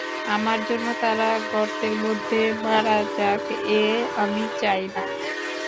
আমার জন্য তারা গর্তের মধ্যে মারা যাক, এ আমি চাই না।